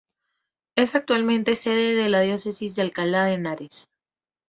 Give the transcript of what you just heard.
Es actualmente sede de la Diócesis de Alcalá de Henares.